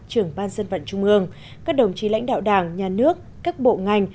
trưởng ban dân vận trung ương các đồng chí lãnh đạo đảng nhà nước các bộ ngành